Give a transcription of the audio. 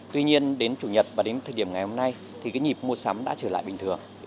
tuy nhiên đến chủ nhật và đến thời điểm ngày hôm nay thì cái nhịp mua sắm đã trở lại bình thường